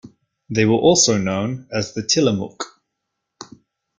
They were also known as the Tillamook.